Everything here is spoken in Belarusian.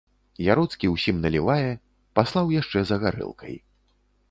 Яроцкі ўсім налівае, паслаў яшчэ за гарэлкай.